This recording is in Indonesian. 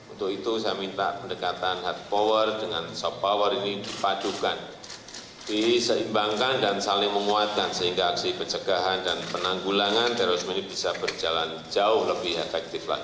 untuk itu saya minta pendekatan hard power dengan soft power ini dipadukan diseimbangkan dan saling menguatkan sehingga aksi pencegahan dan penanggulangan terorisme ini bisa berjalan jauh lebih efektif lagi